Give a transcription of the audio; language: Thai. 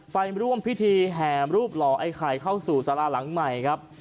ไปร่วมพิธีแห่รูปหล่อไอ้ไข่เข้าสู่สาราหลังใหม่ครับ